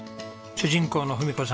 主人公の郁子さん